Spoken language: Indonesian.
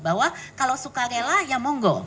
bahwa kalau sukarela ya monggo